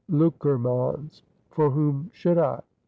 Loockermans: "For whom should I?"